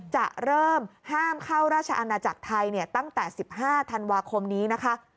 จะเริ่มห้ามเข้าราชอาณาจักรไทยตั้งแต่๑๕ธันวาคมนี้นะคะ